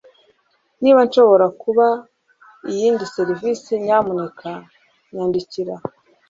Niba nshobora kuba iyindi serivisi nyamuneka nyandikira